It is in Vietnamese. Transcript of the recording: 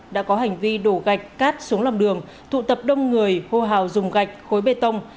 đã có hành vi đổ gạch cát xuống lòng đường tụ tập đông người hô hào dùng gạch khối bê tông